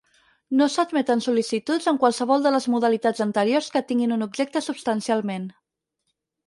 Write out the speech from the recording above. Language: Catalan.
No s'admeten sol·licituds en qualsevol de les modalitats anteriors que tinguin un objecte substancialment.